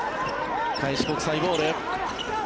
開志国際ボール。